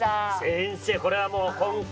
先生これはもう今回。